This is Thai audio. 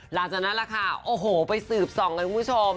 หลังจากนั้นล่ะค่ะโอ้โหไปสืบส่องกันคุณผู้ชม